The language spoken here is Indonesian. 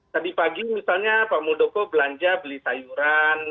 tadi pagi misalnya pak muldoko belanja beli sayuran